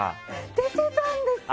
出てたんですか？